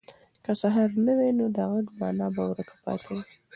که سهار نه وای، نو د غږ مانا به ورکه پاتې وای.